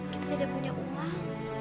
kita tidak punya uang